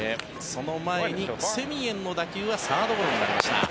その前にセミエンの打球はサードゴロになりました。